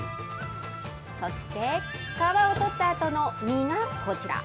そして、皮を取ったあとの身がこちら。